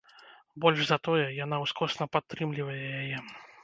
Больш за тое, яна ускосна падтрымлівае яе.